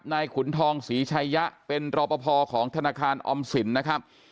ขุนทองศรีชายะเป็นรอปภของธนาคารออมสินนะครับ